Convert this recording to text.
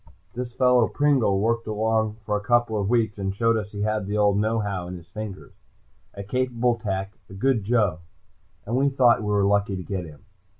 This fellow Pringle worked along for a couple weeks and showed us he had the old know how in his fingers. A capable tech, a good joe, and we thought we were lucky to get him.